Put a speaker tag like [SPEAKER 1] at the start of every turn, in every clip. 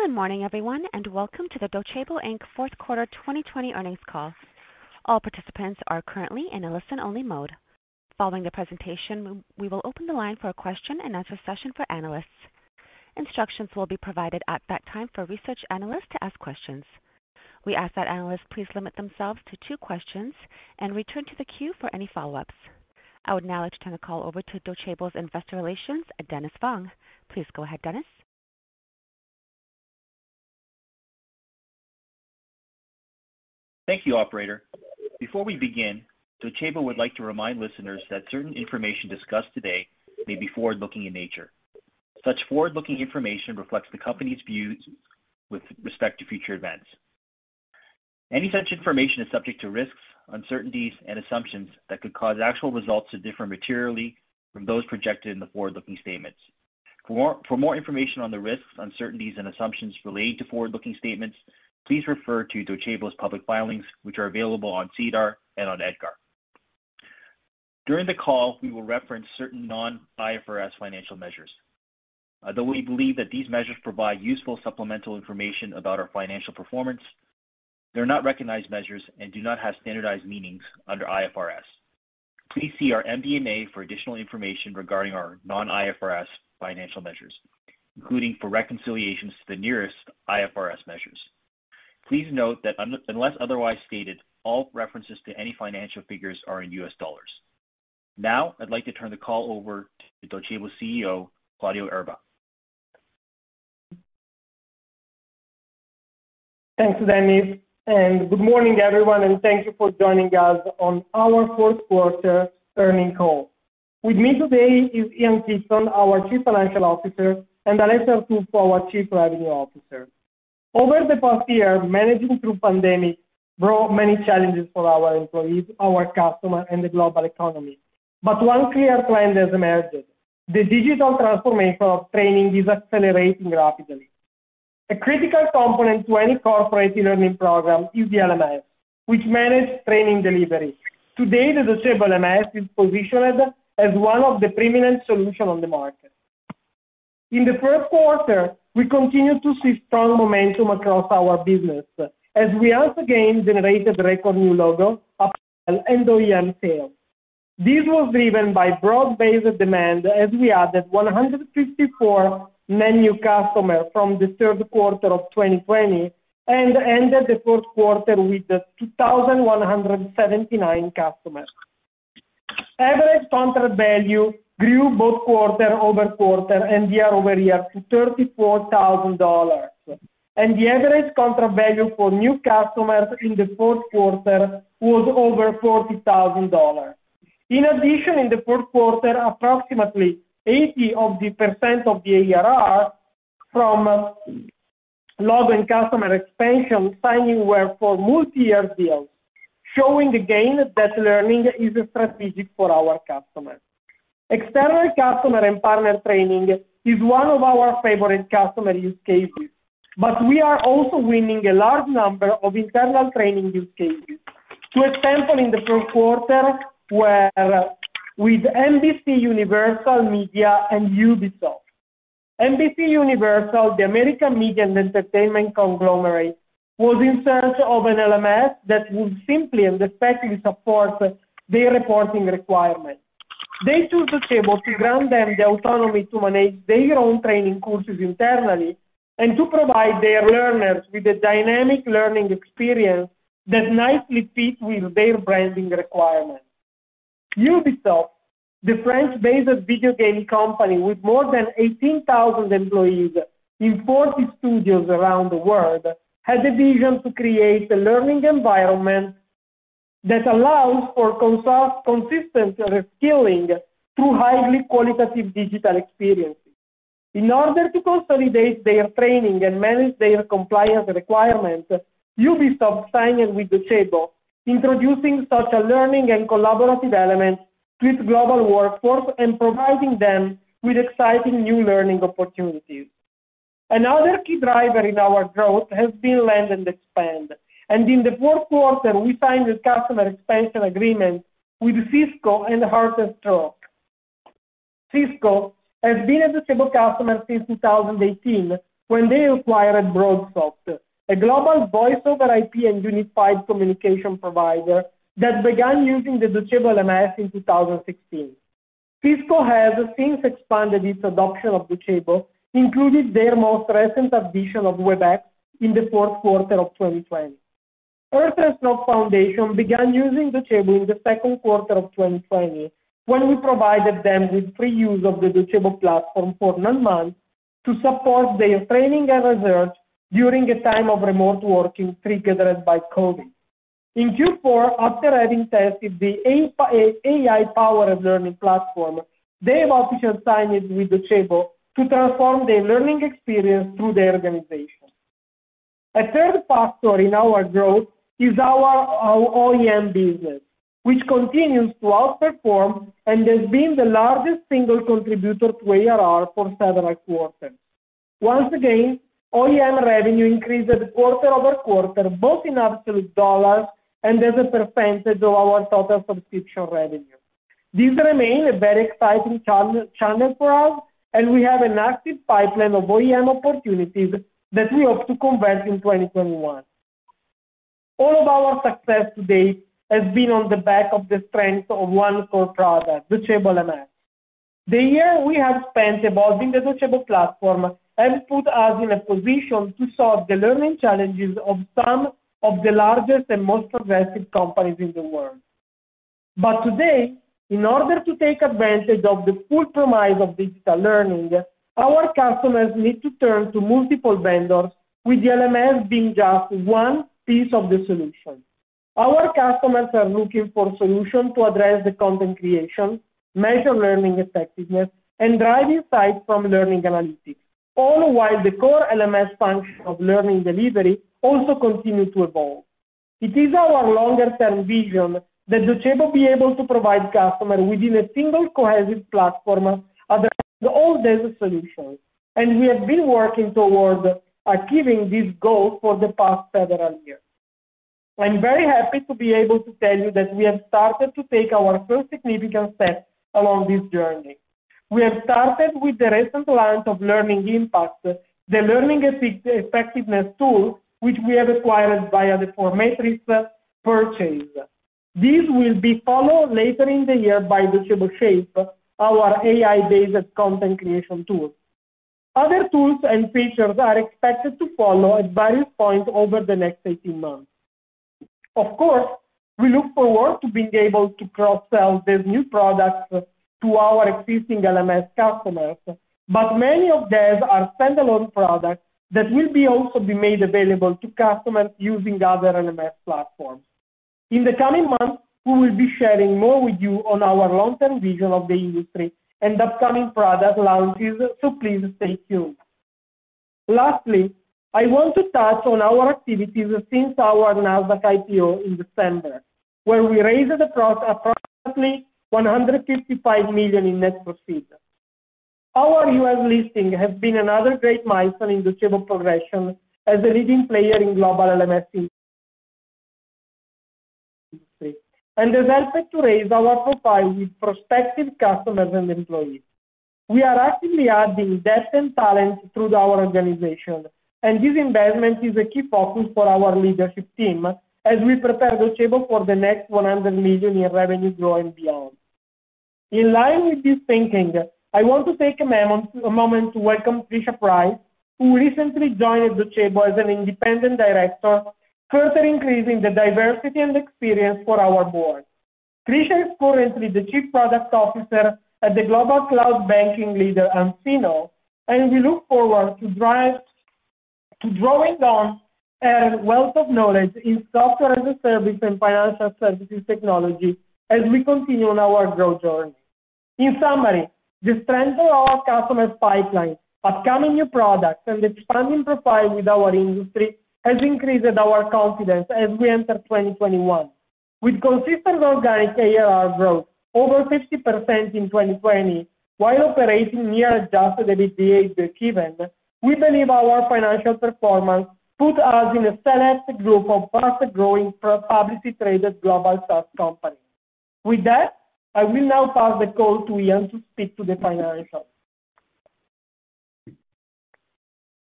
[SPEAKER 1] Good morning, everyone, and Welcome to the Docebo Inc. Fourth Quarter 2020 earnings call. All participants are currently in a listen-only mode. Following the presentation, we will open the line for a question-and-answer session for analysts. Instructions will be provided at that time for research analysts to ask questions. We ask that analysts please limit themselves to two questions and return to the queue for any follow-ups. I would now like to turn the call over to Docebo's Investor Relations, Dennis Fong. Please go ahead, Dennis.
[SPEAKER 2] Thank you, Operator. Before we begin, Docebo would like to remind listeners that certain information discussed today may be forward-looking in nature. Such forward-looking information reflects the company's views with respect to future events. Any such information is subject to risks, uncertainties, and assumptions that could cause actual results to differ materially from those projected in the forward-looking statements. For more information on the risks, uncertainties, and assumptions relating to forward-looking statements, please refer to Docebo's public filings, which are available on SEDAR and on EDGAR. During the call, we will reference certain non-IFRS financial measures. Although we believe that these measures provide useful supplemental information about our financial performance, they are not recognized measures and do not have standardized meanings under IFRS. Please see our MD&A for additional information regarding our non-IFRS financial measures, including for reconciliations to the nearest IFRS measures. Please note that unless otherwise stated, all references to any financial figures are in U.S. dollars. Now, I'd like to turn the call over to Docebo's CEO, Claudio Erba.
[SPEAKER 3] Thanks, Dennis. And good morning, everyone, and thank you for joining us on our Fourth Quarter earnings call. With me today is Ian Kidson, our Chief Financial Officer, and Alessio Artuffo, our Chief Revenue Officer. Over the past year, managing through the pandemic brought many challenges for our employees, our customers, and the global economy. But one clear trend has emerged: the digital transformation of training is accelerating rapidly. A critical component to any corporate e-learning program is the LMS, which manages training delivery. Today, the Docebo LMS is positioned as one of the preeminent solutions on the market. In the first quarter, we continued to see strong momentum across our business as we once again generated record new logos, upsells, and OEM sales. This was driven by broad-based demand as we added 154 net new customers from the third quarter of 2020 and ended the fourth quarter with 2,179 customers. Average contract value grew both quarter-over-quarter and year-over-year to $34,000, and the average contract value for new customers in the fourth quarter was over $40,000. In addition, in the fourth quarter, approximately 80% of the ARR from logo and customer expansion signing were for multi-year deals, showing again that learning is strategic for our customers. External customer and partner training is one of our favorite customer use cases, but we are also winning a large number of internal training use cases. For example, in the fourth quarter, we had NBCUniversal Media and Ubisoft. NBCUniversal, the American media and entertainment conglomerate, was in search of an LMS that would simply and effectively support their reporting requirements. They chose Docebo to grant them the autonomy to manage their own training courses internally and to provide their learners with a dynamic learning experience that nicely fits with their branding requirements. Ubisoft, the French-based video game company with more than 18,000 employees in 40 studios around the world, had a vision to create a learning environment that allows for consistent reskilling through highly qualitative digital experiences. In order to consolidate their training and manage their compliance requirements, Ubisoft signed with Docebo, introducing such a learning and collaborative element to its global workforce and providing them with exciting new learning opportunities. Another key driver in our growth has been land and expand, and in the fourth quarter, we signed a customer expansion agreement with Cisco and Heart & Stroke Foundation. Cisco has been a Docebo customer since 2018 when they acquired BroadSoft, a global voice-over IP and unified communication provider that began using the Docebo LMS in 2016. Cisco has since expanded its adoption of Docebo, including their most recent addition of Webex in the fourth quarter of 2020. Heart & Stroke Foundation began using Docebo in the second quarter of 2020 when we provided them with free use of the Docebo platform for nine months to support their training and research during a time of remote working triggered by COVID. In Q4, after having tested the AI-powered learning platform, they officially signed with Docebo to transform their learning experience through their organization. A third factor in our growth is our OEM business, which continues to outperform and has been the largest single contributor to ARR for several quarters. Once again, OEM revenue increased quarter-over-quarter, both in absolute dollars and as a percentage of our total subscription revenue. This remains a very exciting channel for us, and we have an active pipeline of OEM opportunities that we hope to convert in 2021. All of our success today has been on the back of the strength of one core product, Docebo LMS. The year we have spent evolving the Docebo platform has put us in a position to solve the learning challenges of some of the largest and most progressive companies in the world. But today, in order to take advantage of the full promise of digital learning, our customers need to turn to multiple vendors, with the LMS being just one piece of the solution. Our customers are looking for solutions to address the content creation, measure learning effectiveness, and drive insights from learning analytics, all while the core LMS function of learning delivery also continues to evolve. It is our longer-term vision that Docebo be able to provide customers within a single cohesive platform, addressing all these solutions, and we have been working toward achieving this goal for the past several years. I'm very happy to be able to tell you that we have started to take our first significant step along this journey. We have started with the recent launch of Learning Impact, the learning effectiveness tool which we have acquired via the ForMetris purchase. This will be followed later in the year by Docebo Shape, our AI-based content creation tool. Other tools and features are expected to follow at various points over the next 18 months. Of course, we look forward to being able to cross-sell these new products to our existing LMS customers, but many of these are standalone products that will also be made available to customers using other LMS platforms. In the coming months, we will be sharing more with you on our long-term vision of the industry and upcoming product launches, so please stay tuned. Lastly, I want to touch on our activities since our Nasdaq IPO in December, where we raised approximately $155 million in net profit. Our U.S. listing has been another great milestone in Docebo's progression as a leading player in the global LMS industry and has helped us to raise our profile with prospective customers and employees. We are actively adding depth and talent through our organization, and this investment is a key focus for our leadership team as we prepare Docebo for the next $100 million in revenue growth and beyond. In line with this thinking, I want to take a moment to welcome Trisha Price, who recently joined Docebo as an independent director, further increasing the diversity and experience for our board. Trisha is currently the Chief Product Officer at the global cloud banking leader nCino, and we look forward to drawing on her wealth of knowledge in software as a service and financial services technology as we continue on our growth journey. In summary, the strength of our customer pipeline, upcoming new products, and the expanding profile with our industry have increased our confidence as we enter 2021. With consistent organic ARR growth, over 50% in 2020, while operating near adjusted EBITDA breakeven, we believe our financial performance put us in a select group of fast-growing publicly traded global SaaS companies. With that, I will now pass the call to Ian to speak to the financials.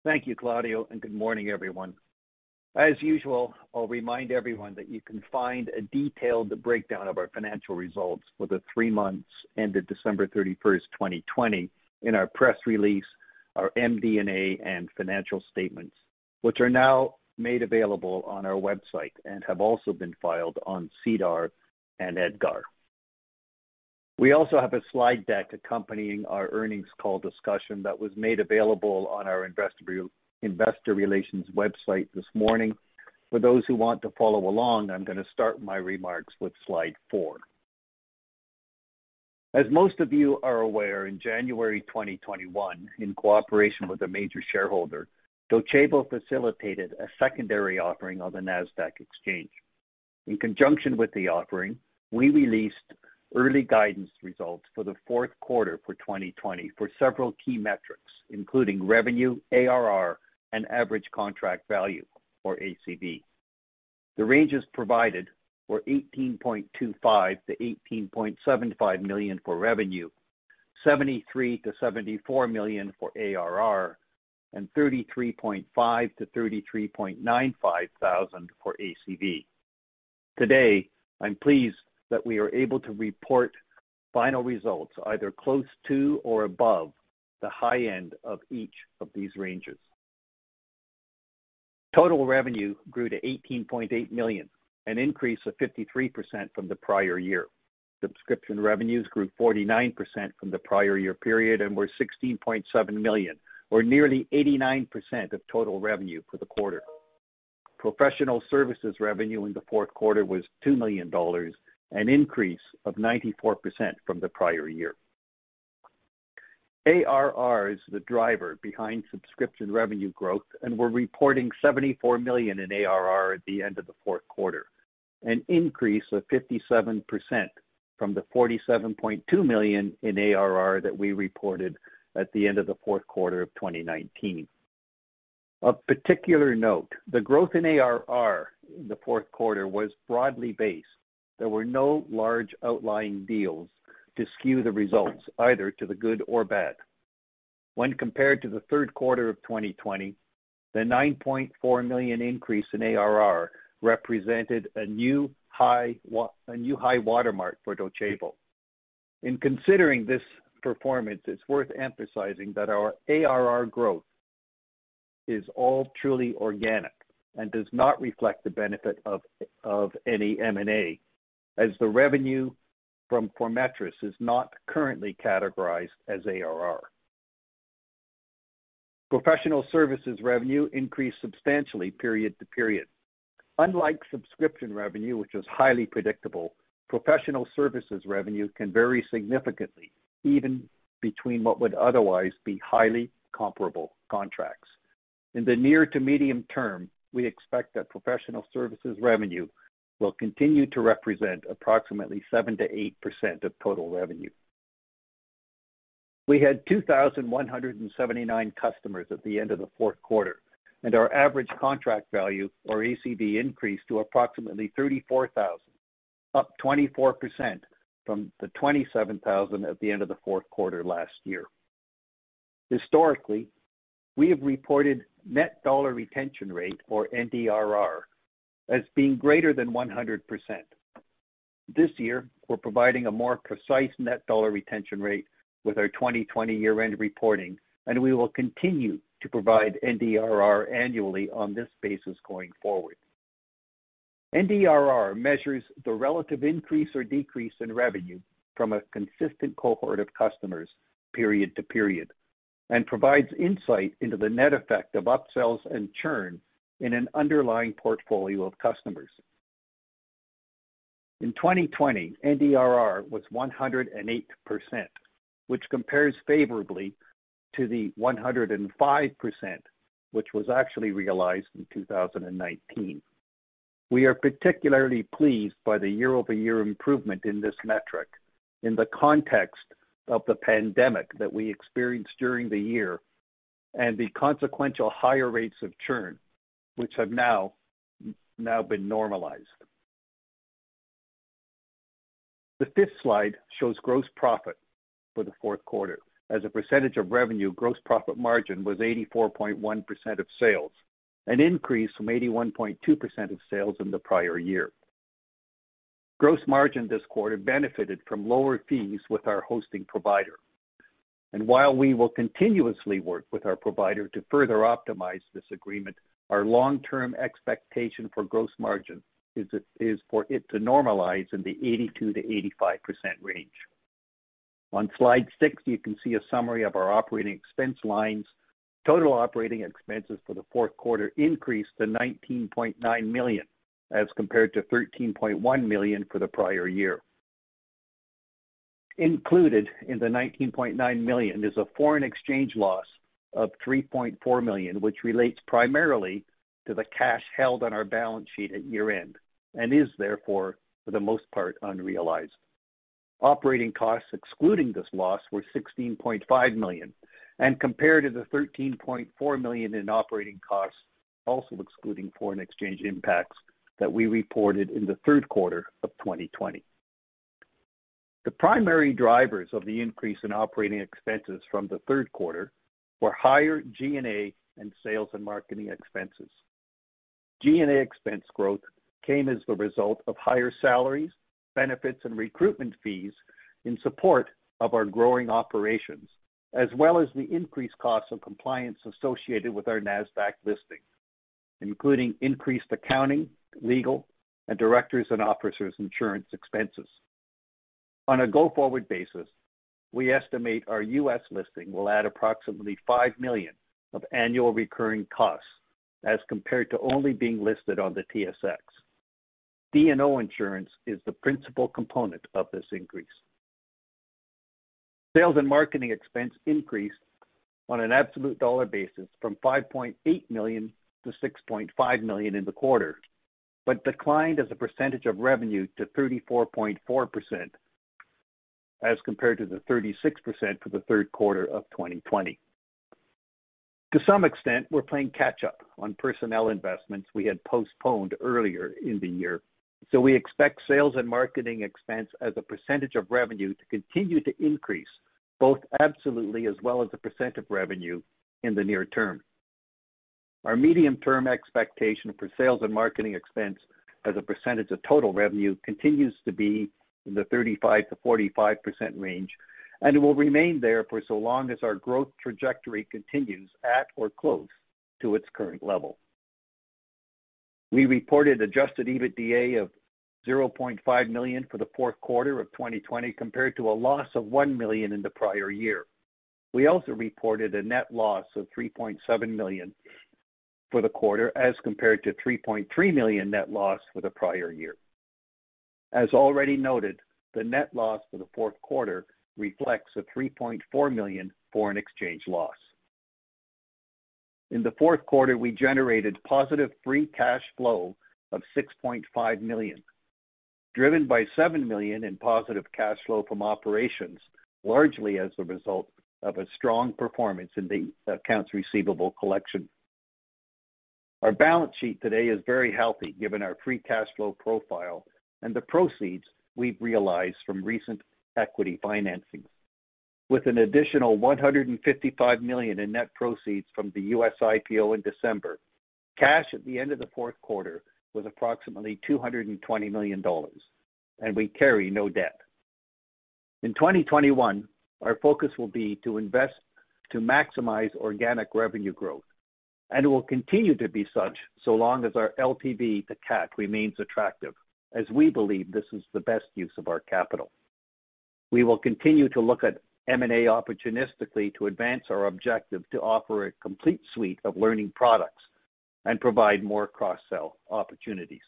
[SPEAKER 4] Thank you, Claudio, and good morning, everyone. As usual, I'll remind everyone that you can find a detailed breakdown of our financial results for the three months ended December 31, 2020, in our press release, our MD&A and financial statements, which are now made available on our website and have also been filed on SEDAR and EDGAR. We also have a slide deck accompanying our earnings call discussion that was made available on our Investor Relations website this morning. For those who want to follow along, I'm going to start my remarks with slide four. As most of you are aware, in January 2021, in cooperation with a major shareholder, Docebo facilitated a secondary offering on the Nasdaq exchange. In conjunction with the offering, we released early guidance results for the fourth quarter for 2020 for several key metrics, including revenue, ARR, and average contract value, or ACV. The ranges provided were $18.25-$18.75 million for revenue, $73-$74 million for ARR, and $33.5-$33.95 thousand for ACV. Today, I'm pleased that we are able to report final results either close to or above the high end of each of these ranges. Total revenue grew to $18.8 million, an increase of 53% from the prior year. Subscription revenues grew 49% from the prior year period and were $16.7 million, or nearly 89% of total revenue for the quarter. Professional services revenue in the fourth quarter was $2 million, an increase of 94% from the prior year. ARR is the driver behind subscription revenue growth, and we're reporting $74 million in ARR at the end of the fourth quarter, an increase of 57% from the $47.2 million in ARR that we reported at the end of the fourth quarter of 2019. Of particular note, the growth in ARR in the fourth quarter was broadly based. There were no large outlying deals to skew the results, either to the good or bad. When compared to the third quarter of 2020, the $9.4 million increase in ARR represented a new high watermark for Docebo. In considering this performance, it's worth emphasizing that our ARR growth is all truly organic and does not reflect the benefit of any M&A, as the revenue from ForMetris is not currently categorized as ARR. Professional services revenue increased substantially period to period. Unlike subscription revenue, which was highly predictable, professional services revenue can vary significantly even between what would otherwise be highly comparable contracts. In the near to medium term, we expect that professional services revenue will continue to represent approximately 7%-8% of total revenue. We had 2,179 customers at the end of the fourth quarter, and our average contract value, or ACV, increased to approximately $34,000, up 24% from the $27,000 at the end of the fourth quarter last year. Historically, we have reported net dollar retention rate, or NDRR, as being greater than 100%. This year, we're providing a more precise net dollar retention rate with our 2020 year-end reporting, and we will continue to provide NDRR annually on this basis going forward. NDRR measures the relative increase or decrease in revenue from a consistent cohort of customers period to period and provides insight into the net effect of upsells and churn in an underlying portfolio of customers. In 2020, NDRR was 108%, which compares favorably to the 105%, which was actually realized in 2019. We are particularly pleased by the year-over-year improvement in this metric in the context of the pandemic that we experienced during the year and the consequential higher rates of churn, which have now been normalized. The fifth slide shows gross profit for the fourth quarter. As a percentage of revenue, gross profit margin was 84.1% of sales, an increase from 81.2% of sales in the prior year. Gross margin this quarter benefited from lower fees with our hosting provider, and while we will continuously work with our provider to further optimize this agreement, our long-term expectation for gross margin is for it to normalize in the 82%-85% range. On slide six, you can see a summary of our operating expense lines. Total operating expenses for the fourth quarter increased to $19.9 million as compared to $13.1 million for the prior year. Included in the $19.9 million is a foreign exchange loss of $3.4 million, which relates primarily to the cash held on our balance sheet at year-end and is, therefore, for the most part unrealized. Operating costs excluding this loss were $16.5 million, and compared to the $13.4 million in operating costs, also excluding foreign exchange impacts that we reported in the third quarter of 2020. The primary drivers of the increase in operating expenses from the third quarter were higher G&A and sales and marketing expenses. G&A expense growth came as the result of higher salaries, benefits, and recruitment fees in support of our growing operations, as well as the increased costs of compliance associated with our Nasdaq listing, including increased accounting, legal, and directors and officers insurance expenses. On a go-forward basis, we estimate our U.S. Listing will add approximately $5 million of annual recurring costs as compared to only being listed on the TSX. D&O insurance is the principal component of this increase. Sales and marketing expense increased on an absolute dollar basis from $5.8 million-$6.5 million in the quarter, but declined as a percentage of revenue to 34.4% as compared to the 36% for the third quarter of 2020. To some extent, we're playing catch-up on personnel investments we had postponed earlier in the year, so we expect sales and marketing expense as a percentage of revenue to continue to increase both absolutely as well as a percent of revenue in the near term. Our medium-term expectation for sales and marketing expense as a percentage of total revenue continues to be in the 35%-45% range, and it will remain there for so long as our growth trajectory continues at or close to its current level. We reported adjusted EBITDA of $0.5 million for the fourth quarter of 2020 compared to a loss of $1 million in the prior year. We also reported a net loss of $3.7 million for the quarter as compared to $3.3 million net loss for the prior year. As already noted, the net loss for the fourth quarter reflects a $3.4 million foreign exchange loss. In the fourth quarter, we generated positive free cash flow of $6.5 million, driven by $7 million in positive cash flow from operations, largely as a result of a strong performance in the accounts receivable collection. Our balance sheet today is very healthy given our free cash flow profile and the proceeds we've realized from recent equity financing. With an additional $155 million in net proceeds from the U.S. IPO in December, cash at the end of the fourth quarter was approximately $220 million, and we carry no debt. In 2021, our focus will be to invest to maximize organic revenue growth, and it will continue to be such so long as our LTV to CAC remains attractive, as we believe this is the best use of our capital. We will continue to look at M&A opportunistically to advance our objective to offer a complete suite of learning products and provide more cross-sell opportunities.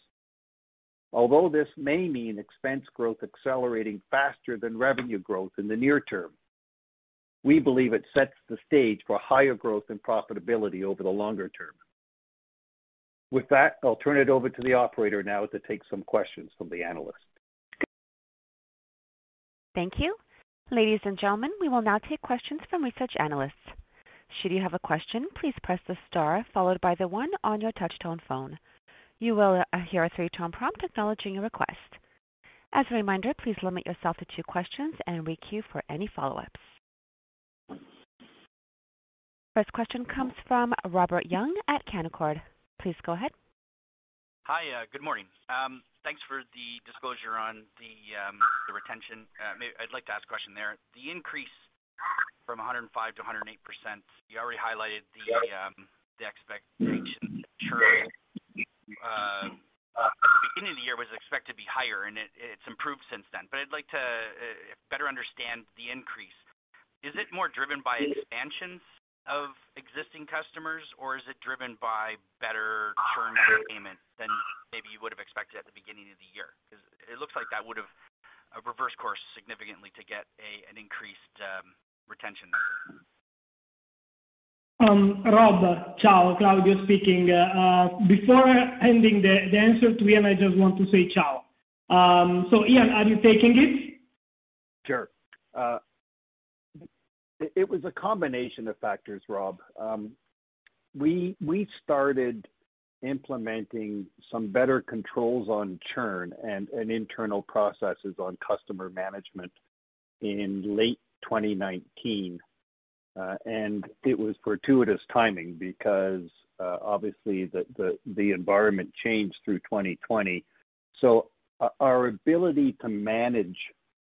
[SPEAKER 4] Although this may mean expense growth accelerating faster than revenue growth in the near term, we believe it sets the stage for higher growth and profitability over the longer term. With that, I'll turn it over to the operator now to take some questions from the analysts.
[SPEAKER 1] Thank you. Ladies and gentlemen, we will now take questions from research analysts. Should you have a question, please press the star followed by the one on your touch-tone phone. You will hear a three-tone prompt acknowledging your request. As a reminder, please limit yourself to two questions and re-queue for any follow-ups. First question comes from Robert Young at Canaccord. Please go ahead.
[SPEAKER 5] Hi, good morning. Thanks for the disclosure on the retention. I'd like to ask a question there. The increase from 105%-108%, you already highlighted the expectation that churn at the beginning of the year was expected to be higher, and it's improved since then, but I'd like to better understand the increase. Is it more driven by expansions of existing customers, or is it driven by better churn performance than maybe you would have expected at the beginning of the year? Because it looks like that would have reversed course significantly to get an increased retention.
[SPEAKER 3] Rob, ciao. Claudio speaking. Before ending the answer to Ian, I just want to say ciao. So Ian, are you taking it?
[SPEAKER 4] Sure. It was a combination of factors, Rob. We started implementing some better controls on churn and internal processes on customer management in late 2019, and it was fortuitous timing because, obviously, the environment changed through 2020. So our ability to manage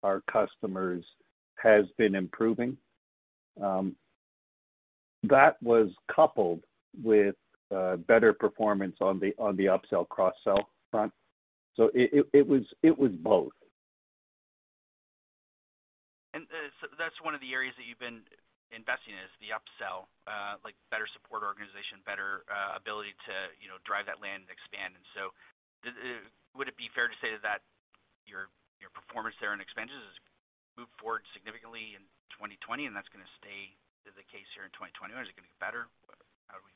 [SPEAKER 4] our customers has been improving. That was coupled with better performance on the upsell/cross-sell front. So it was both.
[SPEAKER 5] And so that's one of the areas that you've been investing in, is the upsell, like better support organization, better ability to drive that land and expand. And so would it be fair to say that your performance there in expenses has moved forward significantly in 2020, and that's going to stay the case here in 2021? Is it going to get better? How do we?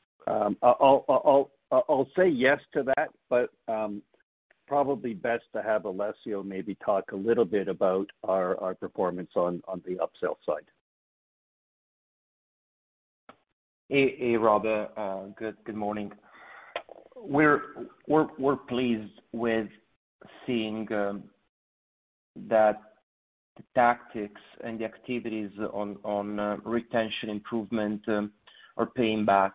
[SPEAKER 4] I'll say yes to that, but probably best to have Alessio maybe talk a little bit about our performance on the upsell side.
[SPEAKER 6] Hey, Rob. Good morning. We're pleased with seeing that the tactics and the activities on retention improvement are paying back.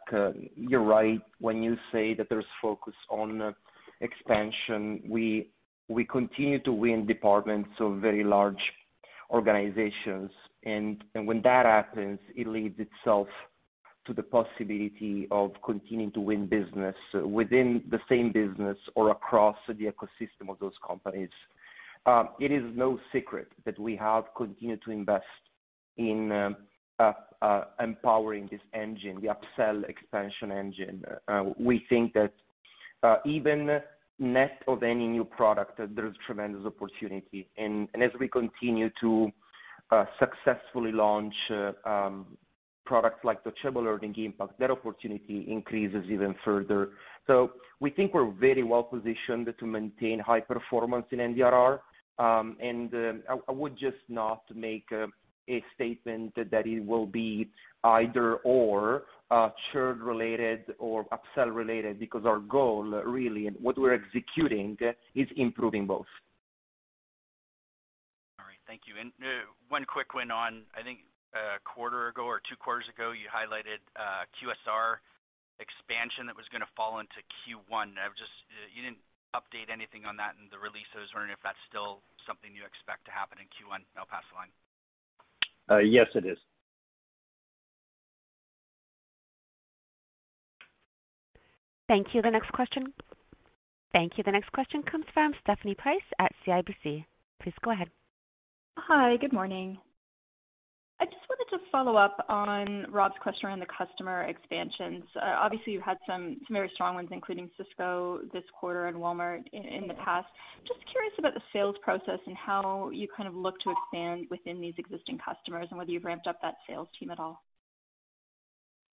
[SPEAKER 6] You're right when you say that there's focus on expansion. We continue to win departments of very large organizations, and when that happens, it leads itself to the possibility of continuing to win business within the same business or across the ecosystem of those companies. It is no secret that we have continued to invest in empowering this engine, the upsell expansion engine. We think that even net of any new product, there's tremendous opportunity, and as we continue to successfully launch products like Docebo Learning Impact, that opportunity increases even further. So we think we're very well positioned to maintain high performance in NDRR, and I would just not make a statement that it will be either/or, churn-related or upsell-related, because our goal really, and what we're executing, is improving both.
[SPEAKER 5] All right. Thank you. And one quick one on, I think a quarter ago or two quarters ago, you highlighted QSR expansion that was going to fall into Q1. You didn't update anything on that in the release. I was wondering if that's still something you expect to happen in Q1. I'll pass the line.
[SPEAKER 4] Yes, it is.
[SPEAKER 1] Thank you. The next question. Thank you. The next question comes from Stephanie Price at CIBC. Please go ahead.
[SPEAKER 7] Hi, good morning. I just wanted to follow up on Rob's question around the customer expansions. Obviously, you've had some very strong ones, including Cisco this quarter and Walmart in the past. Just curious about the sales process and how you kind of look to expand within these existing customers and whether you've ramped up that sales team at all.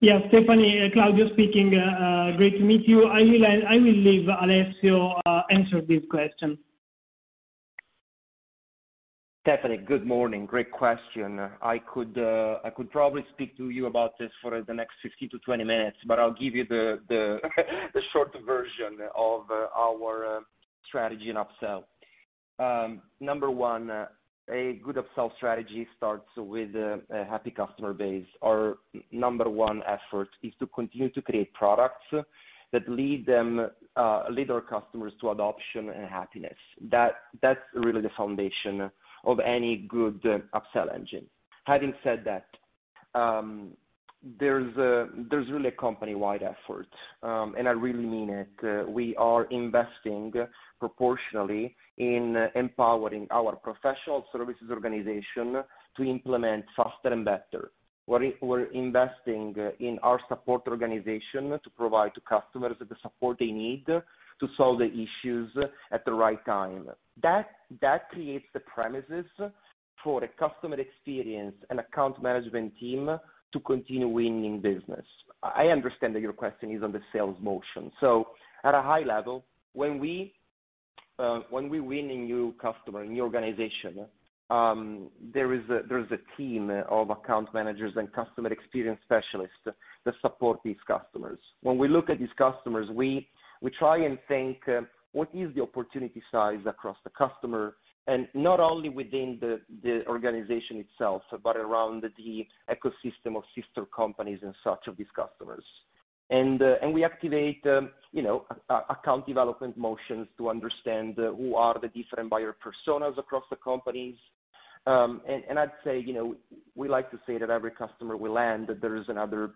[SPEAKER 3] Yes, Stephanie, Claudio speaking. Great to meet you. I will leave Alessio answer this question.
[SPEAKER 6] Stephanie, good morning. Great question. I could probably speak to you about this for the next 15-20 minutes, but I'll give you the short version of our strategy in upsell. Number one, a good upsell strategy starts with a happy customer base. Our number one effort is to continue to create products that lead our customers to adoption and happiness. That's really the foundation of any good upsell engine. Having said that, there's really a company-wide effort, and I really mean it. We are investing proportionally in empowering our professional services organization to implement faster and better. We're investing in our support organization to provide to customers the support they need to solve the issues at the right time. That creates the premises for a customer experience and account management team to continue winning business. I understand that your question is on the sales motion. So at a high level, when we win a new customer, a new organization, there is a team of account managers and customer experience specialists that support these customers. When we look at these customers, we try and think, "What is the opportunity size across the customer?" And not only within the organization itself, but around the ecosystem of sister companies and such of these customers. And we activate account development motions to understand who are the different buyer personas across the companies. And I'd say we like to say that every customer will land, that there is another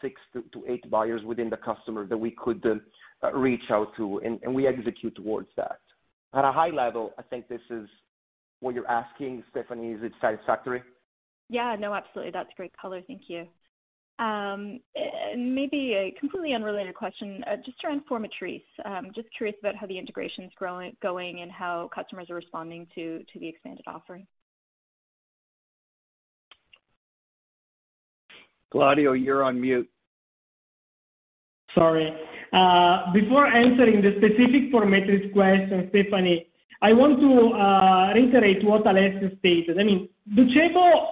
[SPEAKER 6] six to eight buyers within the customer that we could reach out to, and we execute towards that. At a high level, I think this is what you're asking, Stephanie. Is it satisfactory?
[SPEAKER 7] Yeah. No, absolutely. That's great color. Thank you. Maybe a completely unrelated question, just to inform our thesis. Just curious about how the integration is going and how customers are responding to the expanded offering?
[SPEAKER 4] Claudio, you're on mute.
[SPEAKER 3] Sorry. Before answering the specific ForMetris question, Stephanie, I want to reiterate what Alessio stated. I mean, Docebo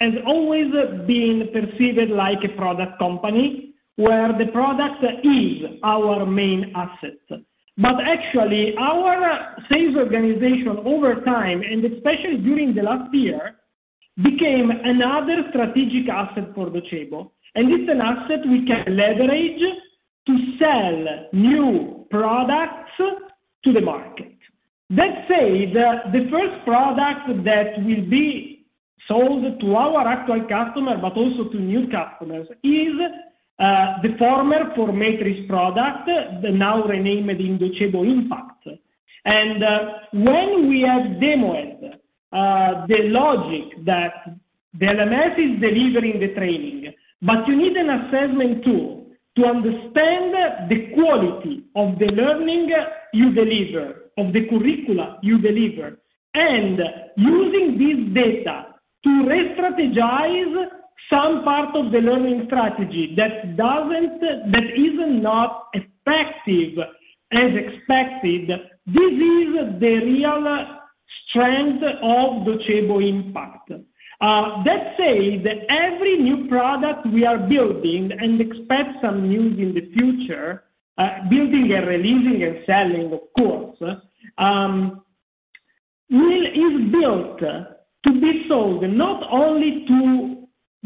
[SPEAKER 3] has always been perceived like a product company where the product is our main asset, but actually, our sales organization over time, and especially during the last year, became another strategic asset for Docebo, and it's an asset we can leverage to sell new products to the market. Let's say the first product that will be sold to our actual customer, but also to new customers, is the former ForMetris product, the now renamed Docebo Learning Impact. And when we have demoed the logic that the LMS is delivering the training, but you need an assessment tool to understand the quality of the learning you deliver, of the curricula you deliver, and using this data to restrategize some part of the learning strategy that is not effective as expected, this is the real strength of Docebo Impact. Let's say that every new product we are building and expect some news in the future, building and releasing and selling, of course, is built to be sold not only to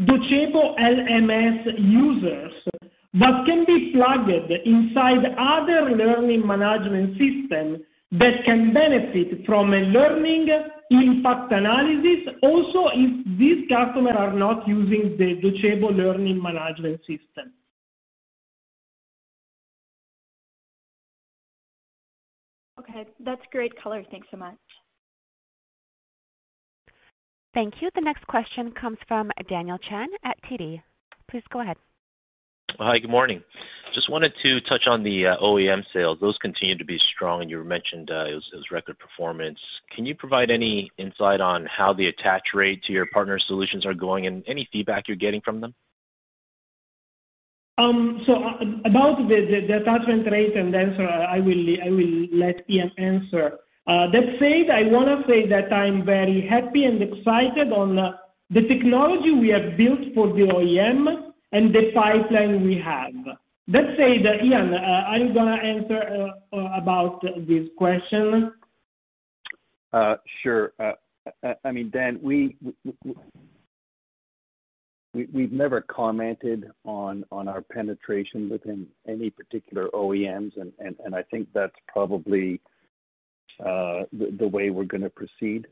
[SPEAKER 3] Docebo LMS users, but can be plugged inside other learning management systems that can benefit from a learning impact analysis also if these customers are not using the Docebo Learning Management System.
[SPEAKER 7] Okay. That's great color. Thanks so much.
[SPEAKER 1] Thank you. The next question comes from Daniel Chan at TD. Please go ahead.
[SPEAKER 8] Hi, good morning. Just wanted to touch on the OEM sales. Those continue to be strong, and you mentioned it was record performance. Can you provide any insight on how the attach rate to your partner solutions are going and any feedback you're getting from them?
[SPEAKER 3] So about the attachment rate and the answer, I will let Ian answer. That said, I want to say that I'm very happy and excited on the technology we have built for the OEM and the pipeline we have. Let's say that, Ian, are you going to answer about this question?
[SPEAKER 4] Sure. I mean, Dan, we've never commented on our penetration within any particular OEMs, and I think that's probably the way we're going to proceed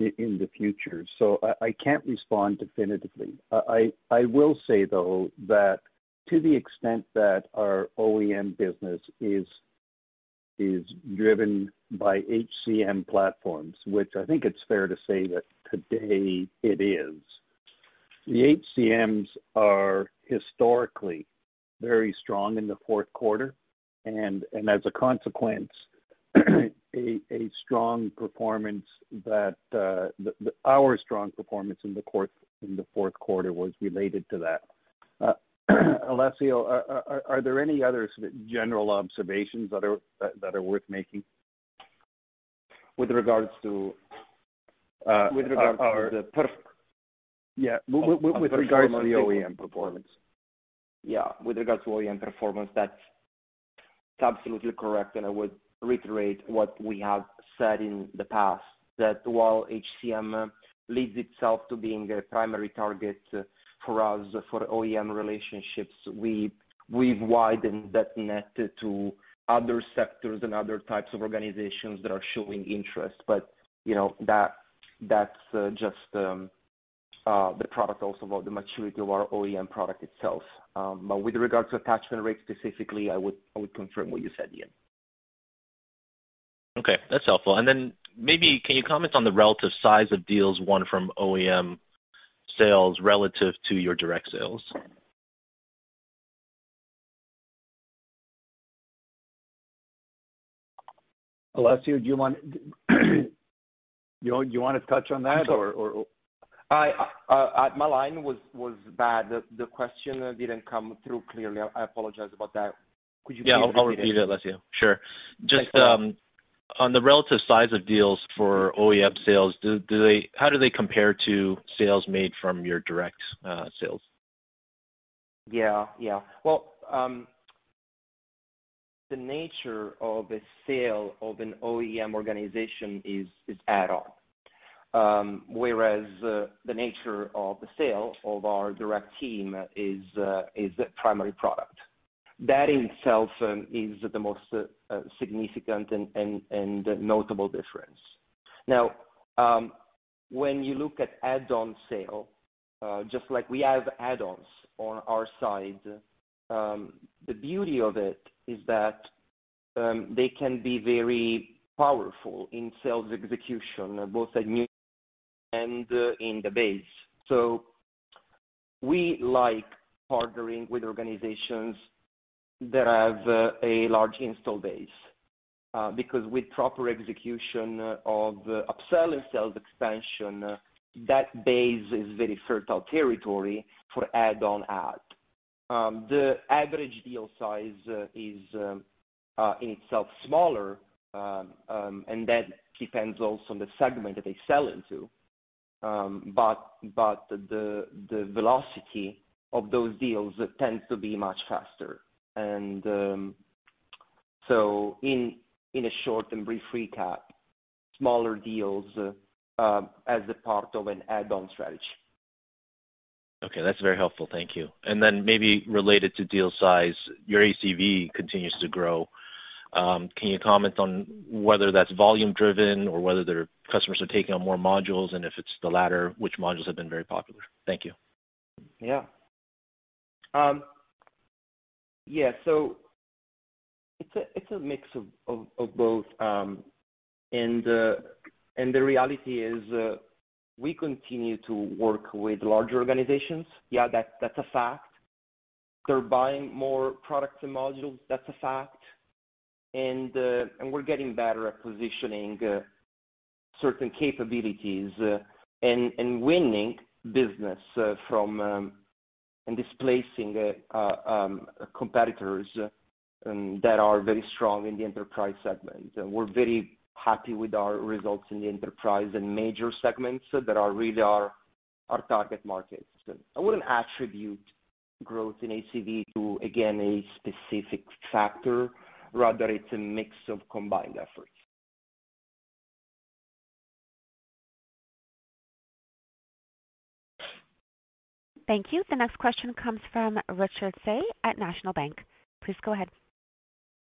[SPEAKER 4] in the future. So I can't respond definitively. I will say, though, that to the extent that our OEM business is driven by HCM platforms, which I think it's fair to say that today it is, the HCMs are historically very strong in the fourth quarter, and as a consequence, a strong performance that our strong performance in the fourth quarter was related to that. Alessio, are there any other general observations that are worth making with regards to the.
[SPEAKER 6] With regards to the.
[SPEAKER 4] Yeah. With regards to the OEM performance.
[SPEAKER 6] Yeah. With regards to OEM performance, that's absolutely correct. And I would reiterate what we have said in the past, that while HCM lends itself to being a primary target for us for OEM relationships, we've widened that net to other sectors and other types of organizations that are showing interest. But that's just the product also about the maturity of our OEM product itself. But with regards to attachment rate specifically, I would confirm what you said, Ian.
[SPEAKER 8] Okay. That's helpful. And then maybe can you comment on the relative size of deals won from OEM sales relative to your direct sales?
[SPEAKER 4] Alessio, do you want to touch on that or?
[SPEAKER 6] Sure. My line was bad. The question didn't come through clearly. I apologize about that. Could you please repeat it?
[SPEAKER 8] Yeah. I'll repeat it, Alessio. Sure. Just on the relative size of deals for OEM sales, how do they compare to sales made from your direct sales?
[SPEAKER 6] Yeah. Yeah. Well, the nature of the sale of an OEM organization is add-on, whereas the nature of the sale of our direct team is the primary product. That in itself is the most significant and notable difference. Now, when you look at add-on sale, just like we have add-ons on our side, the beauty of it is that they can be very powerful in sales execution, both at new and in the base. So we like partnering with organizations that have a large install base because with proper execution of upsell and sales expansion, that base is very fertile territory for add-on adoption. The average deal size is in itself smaller, and that depends also on the segment that they sell into. But the velocity of those deals tends to be much faster. And so, In a short and brief recap, smaller deals as a part of an add-on strategy.
[SPEAKER 8] Okay. That's very helpful. Thank you. And then maybe related to deal size, your ACV continues to grow. Can you comment on whether that's volume-driven or whether their customers are taking on more modules, and if it's the latter, which modules have been very popular? Thank you.
[SPEAKER 6] Yeah. Yeah. So it's a mix of both. And the reality is we continue to work with large organizations. Yeah, that's a fact. They're buying more products and modules. That's a fact. And we're getting better at positioning certain capabilities and winning business and displacing competitors that are very strong in the enterprise segment. We're very happy with our results in the enterprise and major segments that are really our target markets. I wouldn't attribute growth in ACV to, again, a specific factor. Rather, it's a mix of combined efforts.
[SPEAKER 1] Thank you. The next question comes from Richard Tse at National Bank. Please go ahead.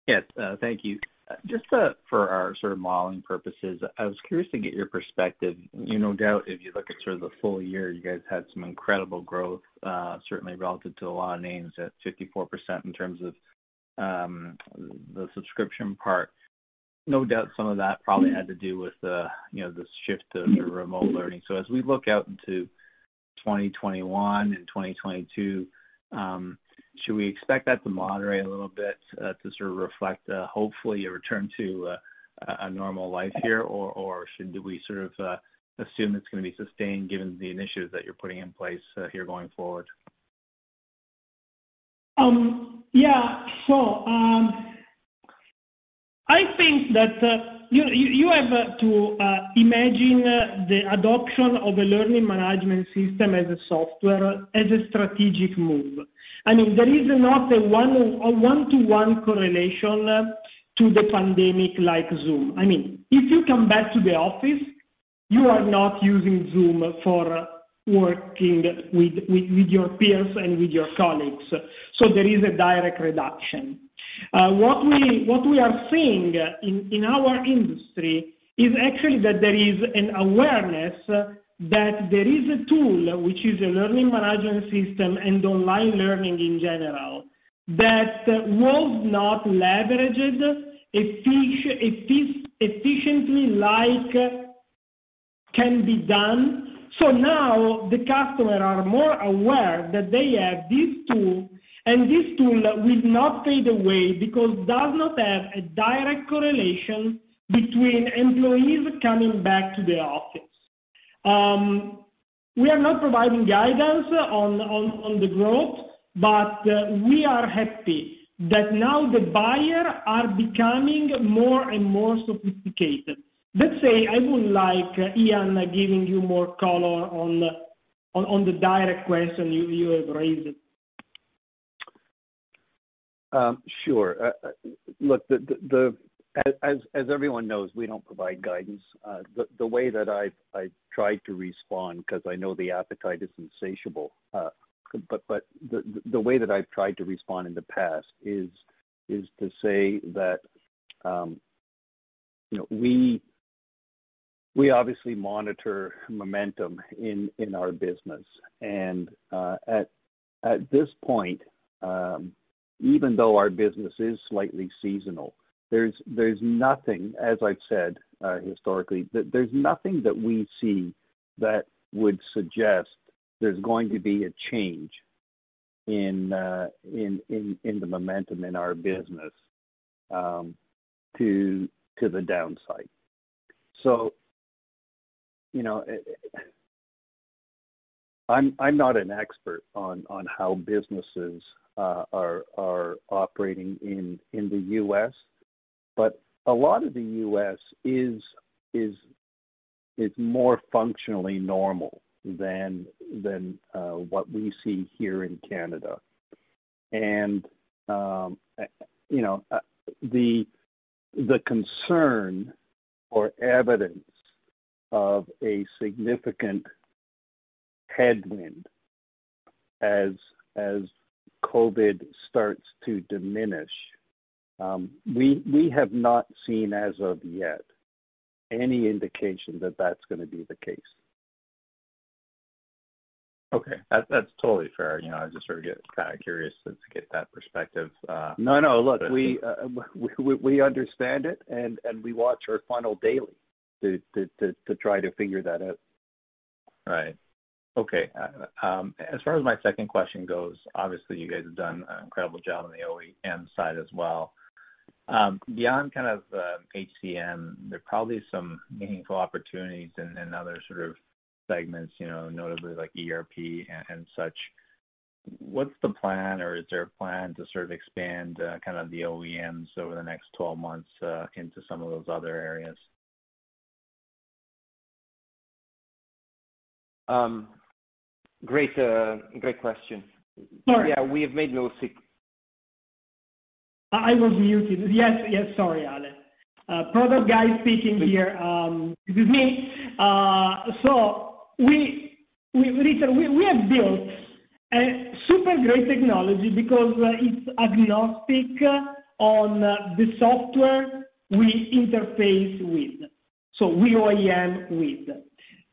[SPEAKER 9] Yes. Thank you. Just for our sort of modeling purposes, I was curious to get your perspective. No doubt, if you look at sort of the full year, you guys had some incredible growth, certainly relative to a lot of names at 54% in terms of the subscription part. No doubt some of that probably had to do with the shift to remote learning. So as we look out into 2021 and 2022, should we expect that to moderate a little bit to sort of reflect, hopefully, a return to a normal life here, or should we sort of assume it's going to be sustained given the initiatives that you're putting in place here going forward?
[SPEAKER 3] Yeah, so I think that you have to imagine the adoption of a learning management system as a SaaS, as a strategic move. I mean, there is not a one-to-one correlation to the pandemic like Zoom. I mean, if you come back to the office, you are not using Zoom for working with your peers and with your colleagues, so there is a direct reduction. What we are seeing in our industry is actually that there is an awareness that there is a tool, which is a learning management system and online learning in general, that was not leveraged efficiently as it can be done, so now the customers are more aware that they have this tool, and this tool will not fade away because it does not have a direct correlation between employees coming back to the office. We are not providing guidance on the growth, but we are happy that now the buyers are becoming more and more sophisticated. Let's say I would like Ian giving you more color on the direct question you have raised.
[SPEAKER 4] Sure. Look, as everyone knows, we don't provide guidance. The way that I've tried to respond, because I know the appetite is insatiable, but the way that I've tried to respond in the past is to say that we obviously monitor momentum in our business. And at this point, even though our business is slightly seasonal, there's nothing, as I've said historically, there's nothing that we see that would suggest there's going to be a change in the momentum in our business to the downside. So I'm not an expert on how businesses are operating in the U.S., but a lot of the U.S. is more functionally normal than what we see here in Canada. And the concern or evidence of a significant headwind as COVID starts to diminish, we have not seen as of yet any indication that that's going to be the case.
[SPEAKER 9] Okay. That's totally fair. I just sort of get kind of curious to get that perspective.
[SPEAKER 4] No, no. Look, we understand it, and we watch our funnel daily to try to figure that out.
[SPEAKER 9] Right. Okay. As far as my second question goes, obviously, you guys have done an incredible job on the OEM side as well. Beyond kind of HCM, there are probably some meaningful opportunities in other sort of segments, notably like ERP and such. What's the plan, or is there a plan to sort of expand kind of the OEMs over the next 12 months into some of those other areas?
[SPEAKER 6] Great question. Yeah. We have made no secret.
[SPEAKER 3] I was muted. Yes. Yes. Sorry, lan. Product guy speaking here. This is me. We have built a super great technology because it's agnostic on the software we interface with. We OEM with.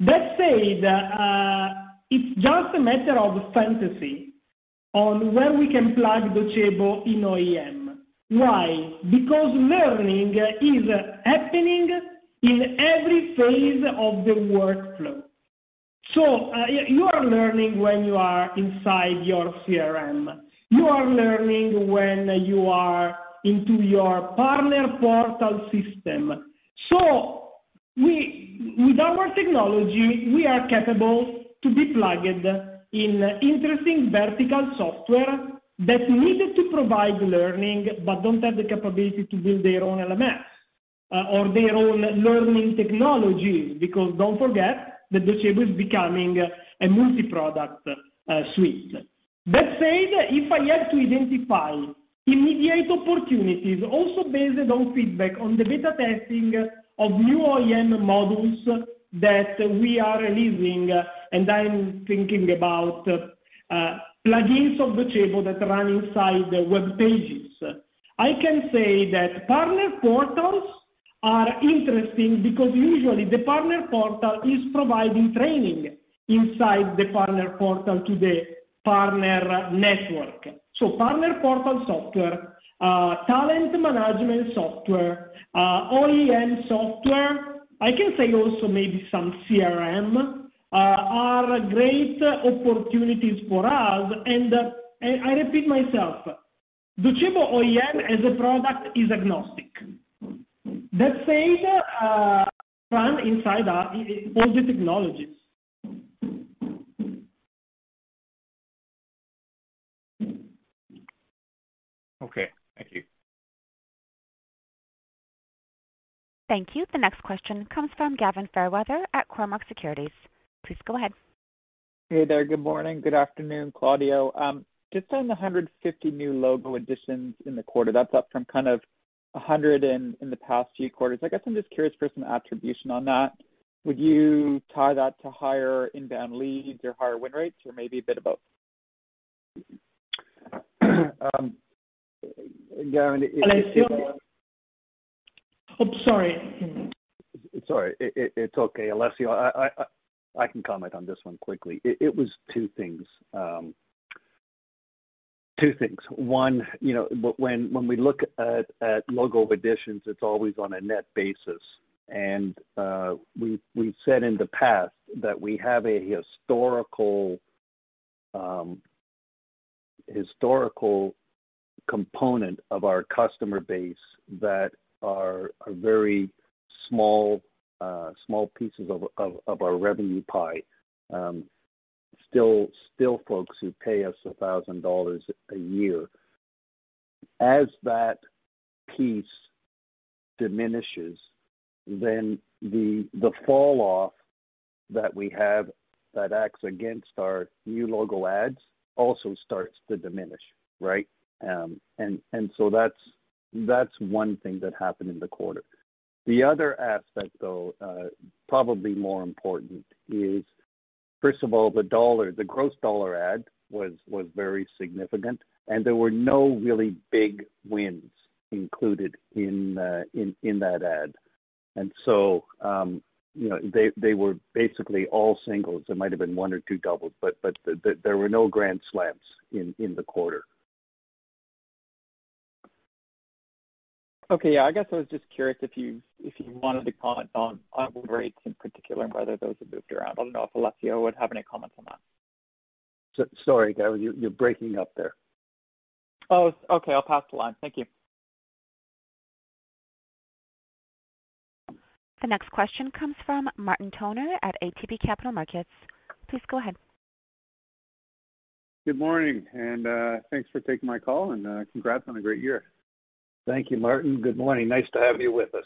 [SPEAKER 3] That said, it's just a matter of feasibility on where we can plug Docebo in OEM. Why? Because learning is happening in every phase of the workflow. You are learning when you are inside your CRM. You are learning when you are into your partner portal system. With our technology, we are capable to be plugged in interesting vertical software that need to provide learning but don't have the capability to build their own LMS or their own learning technology because don't forget that Docebo is becoming a multi-product suite. That said, if I have to identify immediate opportunities also based on feedback on the beta testing of new OEM modules that we are releasing, and I'm thinking about plugins of Docebo that run inside the web pages, I can say that partner portals are interesting because usually the partner portal is providing training inside the partner portal to the partner network. So partner portal software, talent management software, OEM software, I can say also maybe some CRM are great opportunities for us. And I repeat myself, Docebo OEM as a product is agnostic. That said, run inside all the technologies.
[SPEAKER 9] Okay. Thank you.
[SPEAKER 1] Thank you. The next question comes from Gavin Fairweather at Cormark Securities. Please go ahead.
[SPEAKER 10] Hey there. Good morning. Good afternoon, Claudio. Just on the 150 new logo additions in the quarter, that's up from kind of 100 in the past few quarters. I guess I'm just curious for some attribution on that. Would you tie that to higher inbound leads or higher win rates or maybe a bit of both?
[SPEAKER 6] Claudio, if you can.
[SPEAKER 3] Alessio. Oh, sorry.
[SPEAKER 4] Sorry. It's okay, Alessio. I can comment on this one quickly. It was two things. Two things. One, when we look at logo additions, it's always on a net basis. And we've said in the past that we have a historical component of our customer base that are very small pieces of our revenue pie, still folks who pay us $1,000 a year. As that piece diminishes, then the falloff that we have that acts against our new logo adds also starts to diminish, right? And so that's one thing that happened in the quarter. The other aspect, though, probably more important, is first of all, the gross dollar add was very significant, and there were no really big wins included in that add. And so they were basically all singles. There might have been one or two doubles, but there were no grand slams in the quarter.
[SPEAKER 10] Okay. Yeah. I guess I was just curious if you wanted to comment on win rates in particular and whether those have moved around. I don't know if Alessio would have any comments on that.
[SPEAKER 4] Sorry, Gavin. You're breaking up there.
[SPEAKER 10] Oh, okay. I'll pass the line. Thank you.
[SPEAKER 1] The next question comes from Martin Toner at ATB Capital Markets. Please go ahead.
[SPEAKER 11] Good morning. And thanks for taking my call, and congrats on a great year.
[SPEAKER 4] Thank you, Martin. Good morning. Nice to have you with us.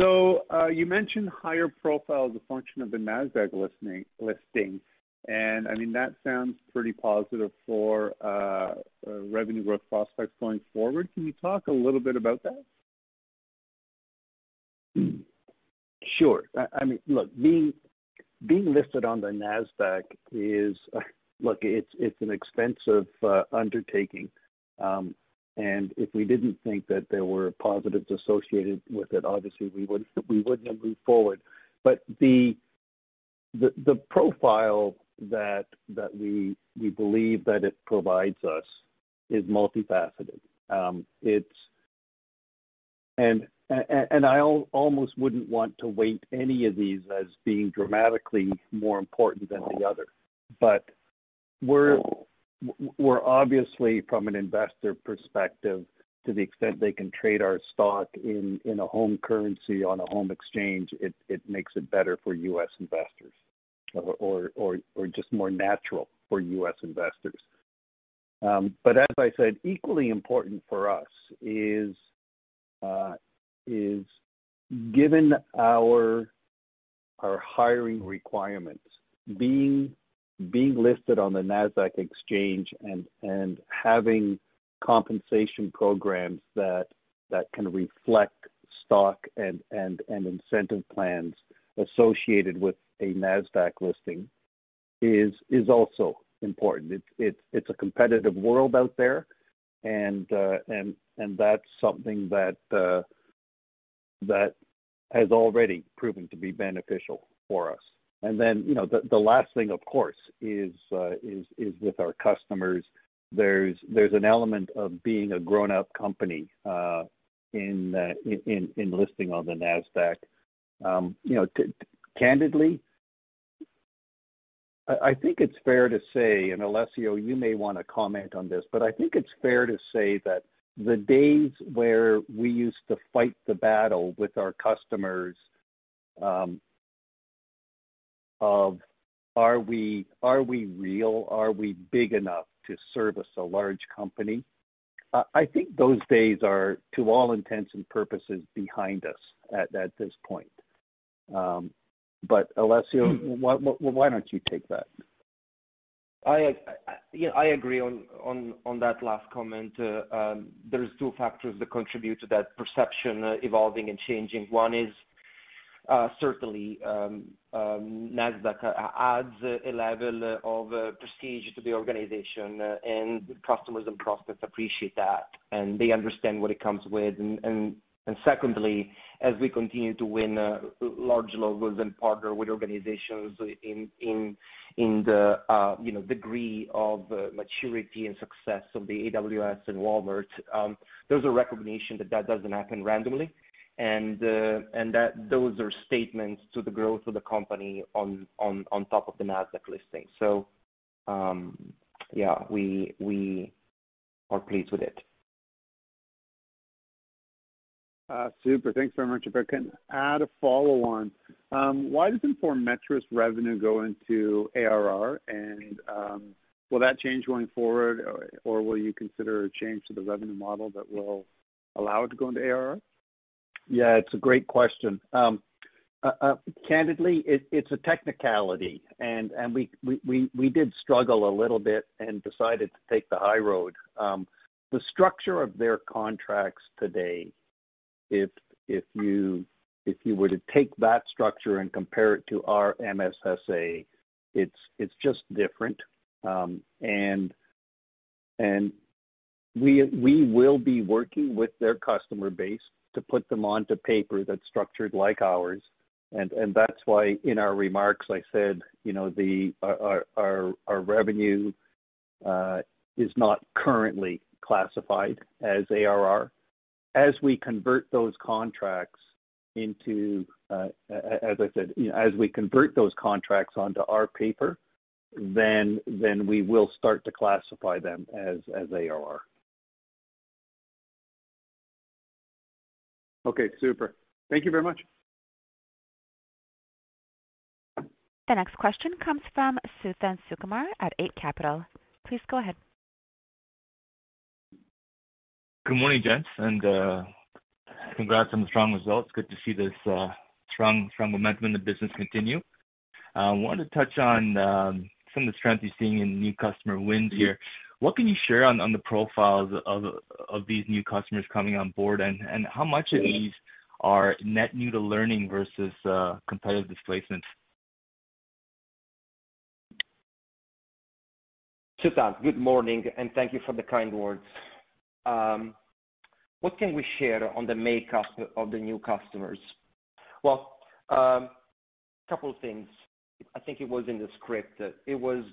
[SPEAKER 11] So you mentioned higher profiles as a function of the Nasdaq listing. And I mean, that sounds pretty positive for revenue growth prospects going forward. Can you talk a little bit about that?
[SPEAKER 4] Sure. I mean, look, being listed on the NASDAQ is, look, it's an expensive undertaking. And if we didn't think that there were positives associated with it, obviously, we wouldn't have moved forward. But the profile that we believe that it provides us is multifaceted. And I almost wouldn't want to weight any of these as being dramatically more important than the other. But obviously, from an investor perspective, to the extent they can trade our stock in a home currency on a home exchange, it makes it better for U.S. investors or just more natural for U.S. investors. But as I said, equally important for us is, given our hiring requirements, being listed on the NASDAQ exchange and having compensation programs that can reflect stock and incentive plans associated with a NASDAQ listing is also important. It's a competitive world out there, and that's something that has already proven to be beneficial for us. And then the last thing, of course, is with our customers, there's an element of being a grown-up company in listing on the Nasdaq. Candidly, I think it's fair to say, and Alessio, you may want to comment on this, but I think it's fair to say that the days where we used to fight the battle with our customers of, "Are we real? Are we big enough to service a large company?" I think those days are, to all intents and purposes, behind us at this point. But Alessio, why don't you take that?
[SPEAKER 6] I agree on that last comment. There are two factors that contribute to that perception evolving and changing. One is certainly Nasdaq adds a level of prestige to the organization, and customers and prospects appreciate that, and they understand what it comes with. And secondly, as we continue to win large logos and partner with organizations in the degree of maturity and success of the AWS and Walmart, there's a recognition that that doesn't happen randomly, and those are statements to the growth of the company on top of the Nasdaq listing. So yeah, we are pleased with it.
[SPEAKER 11] Super. Thanks very much. If I can add a follow-on, why doesn't ForMetris revenue go into ARR? And will that change going forward, or will you consider a change to the revenue model that will allow it to go into ARR?
[SPEAKER 4] Yeah. It's a great question. Candidly, it's a technicality. And we did struggle a little bit and decided to take the high road. The structure of their contracts today, if you were to take that structure and compare it to our MSSA, it's just different. And we will be working with their customer base to put them onto paper that's structured like ours. And that's why in our remarks, I said our revenue is not currently classified as ARR. As we convert those contracts into, as I said, as we convert those contracts onto our paper, then we will start to classify them as ARR.
[SPEAKER 11] Okay. Super. Thank you very much.
[SPEAKER 1] The next question comes from Suthan Sukumar at Eight Capital. Please go ahead.
[SPEAKER 12] Good morning, gents, and congrats on the strong results. Good to see this strong momentum in the business continue. I wanted to touch on some of the strengths you're seeing in new customer wins here. What can you share on the profiles of these new customers coming on board, and how much of these are net new to learning versus competitive displacement?
[SPEAKER 4] Suthan, good morning, and thank you for the kind words. What can we share on the makeup of the new customers? Well, a couple of things. I think it was in the script. It was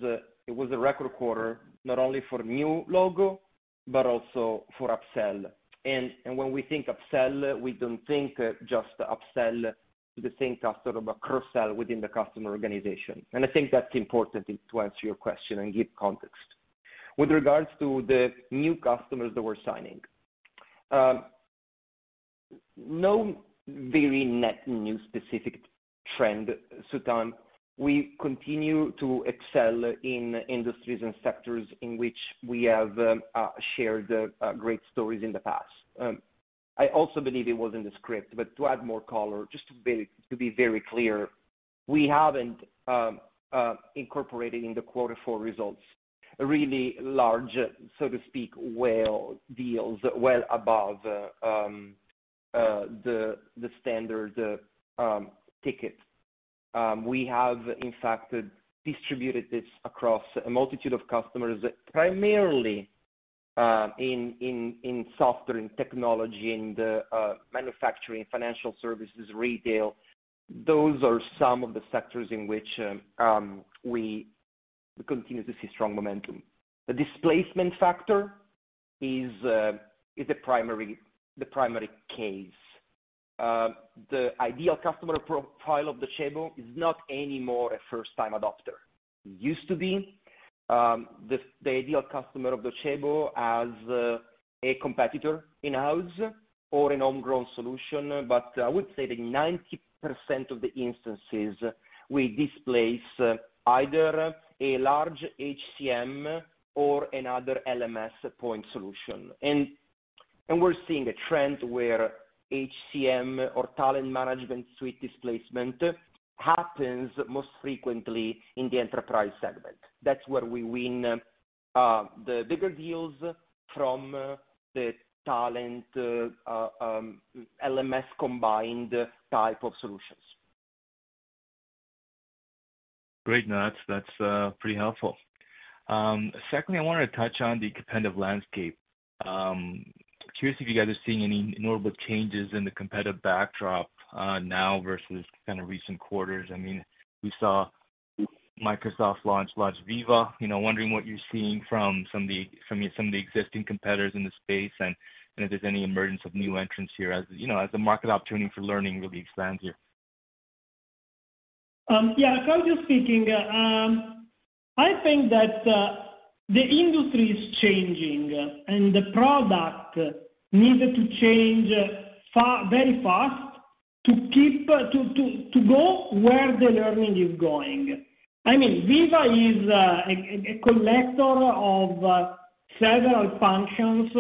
[SPEAKER 4] a record quarter, not only for new logo but also for upsell. And when we think upsell, we don't think just upsell to the same customer but cross-sell within the customer organization. And I think that's important to answer your question and give context. With regards to the new customers that we're signing, no very net new specific trend, Suthan. We continue to excel in industries and sectors in which we have shared great stories in the past. I also believe it was in the script. But to add more color, just to be very clear, we haven't incorporated in the quarter four results really large, so to speak, whale deals, well above the standard ticket. We have, in fact, distributed this across a multitude of customers, primarily in software and technology and manufacturing, financial services, retail. Those are some of the sectors in which we continue to see strong momentum. The displacement factor is the primary case. The ideal customer profile of Docebo is not anymore a first-time adopter. It used to be. The ideal customer of Docebo as a competitor in-house or a homegrown solution. But I would say that in 90% of the instances, we displace either a large HCM or another LMS point solution. And we're seeing a trend where HCM or talent management suite displacement happens most frequently in the enterprise segment. That's where we win the bigger deals from the talent LMS combined type of solutions.
[SPEAKER 12] Great. No, that's pretty helpful. Secondly, I wanted to touch on the competitive landscape. Curious if you guys are seeing any notable changes in the competitive backdrop now versus kind of recent quarters. I mean, we saw Microsoft launch Viva. Wondering what you're seeing from some of the existing competitors in the space, and if there's any emergence of new entrants here as the market opportunity for learning really expands here.
[SPEAKER 3] Yeah. As I was just speaking, I think that the industry is changing, and the product needs to change very fast to go where the learning is going. I mean, Viva is a collector of several functions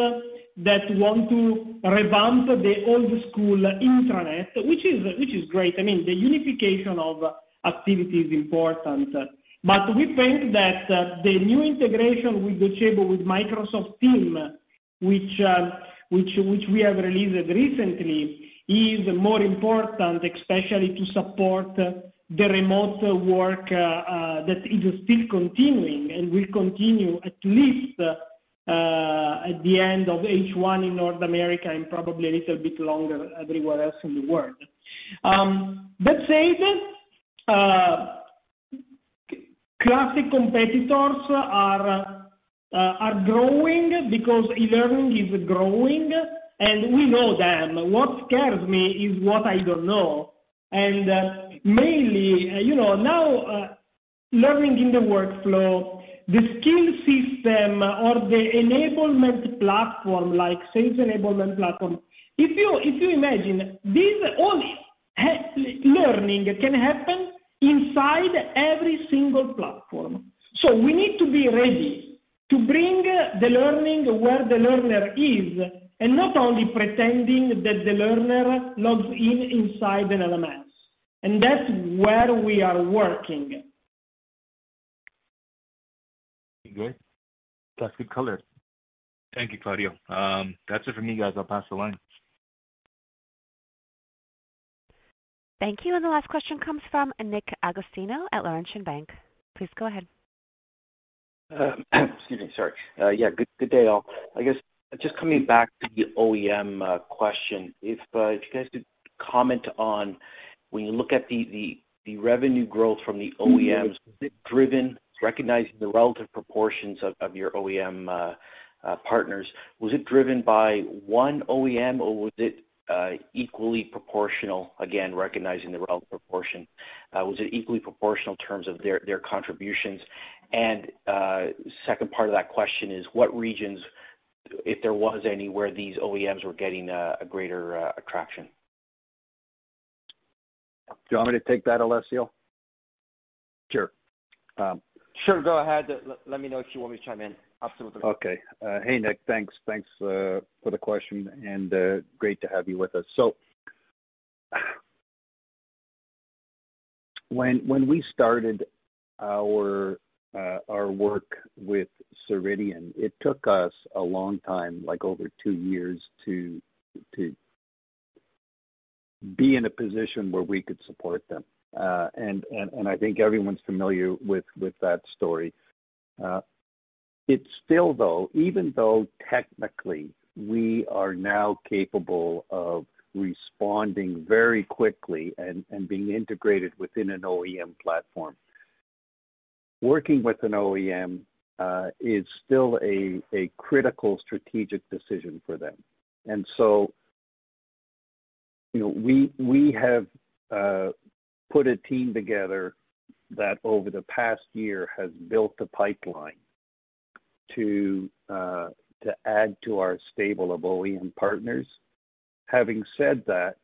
[SPEAKER 3] that want to revamp the old-school intranet, which is great. I mean, the unification of activity is important. But we think that the new integration with Docebo with Microsoft Teams, which we have released recently, is more important, especially to support the remote work that is still continuing and will continue at least at the end of H1 in North America and probably a little bit longer everywhere else in the world. That said, classic competitors are growing because e-learning is growing, and we know them. What scares me is what I don't know and mainly now, learning in the workflow, the skill system or the enablement platform, like sales enablement platform. If you imagine, learning can happen inside every single platform, so we need to be ready to bring the learning where the learner is and not only pretending that the learner logs in inside an LMS, and that's where we are working.
[SPEAKER 12] Good. Classic colors. Thank you, Claudio. That's it for me, guys. I'll pass the line.
[SPEAKER 1] Thank you. And the last question comes from Nick Agostino at Laurentian Bank. Please go ahead.
[SPEAKER 13] Excuse me. Sorry. Yeah. Good day, all. I guess just coming back to the OEM question, if you guys could comment on when you look at the revenue growth from the OEMs, was it driven, recognizing the relative proportions of your OEM partners? Was it driven by one OEM, or was it equally proportional? Again, recognizing the relative proportion, was it equally proportional in terms of their contributions? And second part of that question is, what regions, if there was any, where these OEMs were getting a greater attraction?
[SPEAKER 4] Do you want me to take that, Alessio?
[SPEAKER 6] Sure.
[SPEAKER 4] Sure. Go ahead. Let me know if you want me to chime in. Absolutely.
[SPEAKER 6] Okay. Hey, Nick. Thanks. Thanks for the question, and great to have you with us. So when we started our work with Ceridian, it took us a long time, like over two years, to be in a position where we could support them. And I think everyone's familiar with that story. It's still, though, even though technically we are now capable of responding very quickly and being integrated within an OEM platform, working with an OEM is still a critical strategic decision for them. And so we have put a team together that over the past year has built the pipeline to add to our stable of OEM partners. Having said that,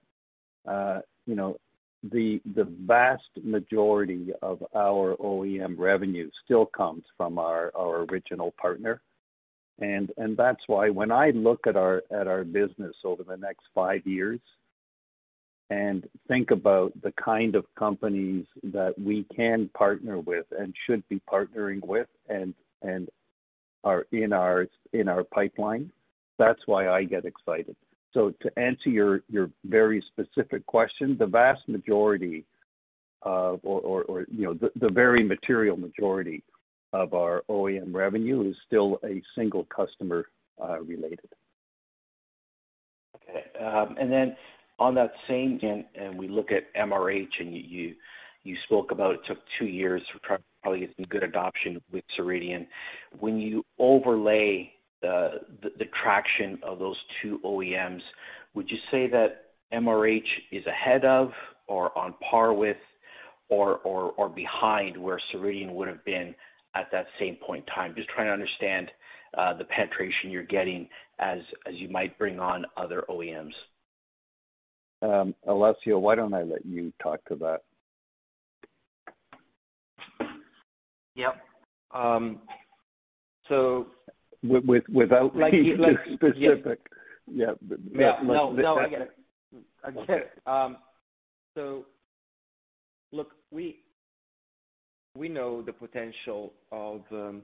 [SPEAKER 6] the vast majority of our OEM revenue still comes from our original partner. And that's why when I look at our business over the next five years and think about the kind of companies that we can partner with and should be partnering with and are in our pipeline, that's why I get excited. So to answer your very specific question, the vast majority or the very material majority of our OEM revenue is still single-customer related.
[SPEAKER 13] Okay. And we look at MHR, and you spoke about it took two years for probably some good adoption with Ceridian. When you overlay the traction of those two OEMs, would you say that MHR is ahead of or on par with or behind where Ceridian would have been at that same point in time? Just trying to understand the penetration you're getting as you might bring on other OEMs.
[SPEAKER 4] Alessio, why don't I let you talk to that?
[SPEAKER 6] Yep. So without being too specific. Yeah. No. No. I get it. I get it. So look, we know the potential of the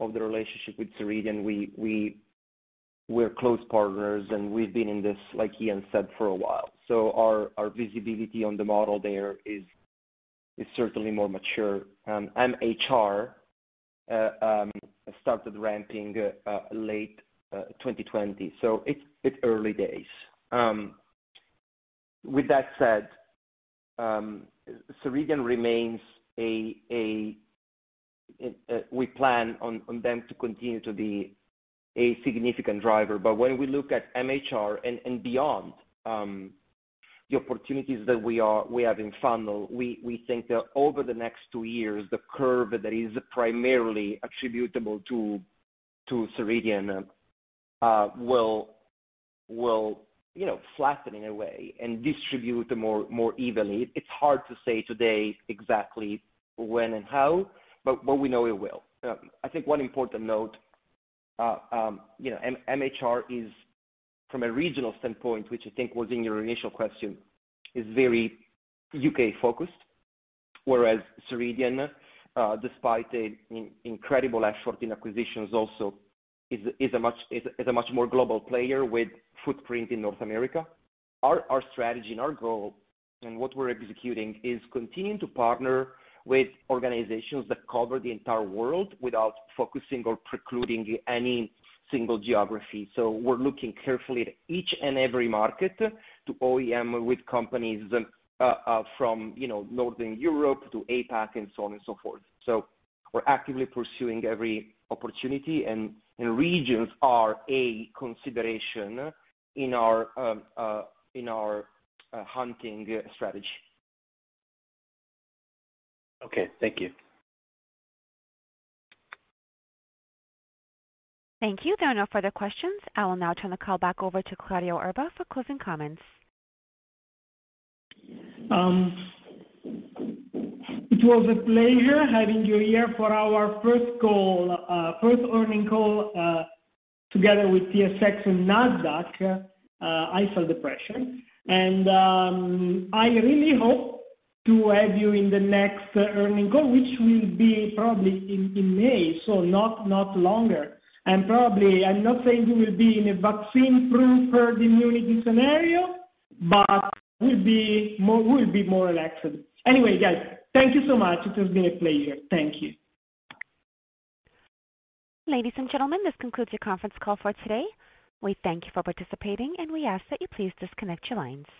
[SPEAKER 6] relationship with Ceridian. We're close partners, and we've been in this, like Ian said, for a while. So our visibility on the model there is certainly more mature, and MHR started ramping late 2020, so it's early days. With that said, Ceridian remains a—we plan on them to continue to be a significant driver, but when we look at MHR and beyond, the opportunities that we have in funnel, we think that over the next two years, the curve that is primarily attributable to Ceridian will flatten in a way and distribute more evenly. It's hard to say today exactly when and how, but we know it will. I think one important note: MHR is, from a regional standpoint, which I think was in your initial question, is very UK-focused, whereas Ceridian, despite the incredible effort in acquisitions also, is a much more global player with a footprint in North America. Our strategy and our goal and what we're executing is continuing to partner with organizations that cover the entire world without focusing or precluding any single geography. So we're looking carefully at each and every market to OEM with companies from Northern Europe to APAC and so on and so forth. So we're actively pursuing every opportunity, and regions are a consideration in our hunting strategy.
[SPEAKER 13] Okay. Thank you.
[SPEAKER 1] Thank you. There are no further questions. I will now turn the call back over to Claudio Erba for closing comments.
[SPEAKER 3] It was a pleasure having you here for our first earnings call together with TSX and Nasdaq. I felt the pressure. And I really hope to have you in the next earnings call, which will be probably in May, so not long. And probably, I'm not saying we will be in a vaccine-proof herd immunity scenario, but we'll be more elective. Anyway, guys, thank you so much. It has been a pleasure. Thank you.
[SPEAKER 1] Ladies and gentlemen, this concludes your conference call for today. We thank you for participating, and we ask that you please disconnect your lines.